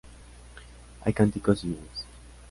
Hay cánticos y vivas.